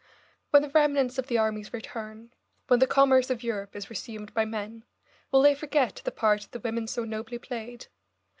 When the remnants of the armies return, when the commerce of Europe is resumed by men, will they forget the part the women so nobly played?